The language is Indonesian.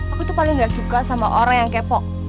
aku tuh paling gak suka sama orang yang kepo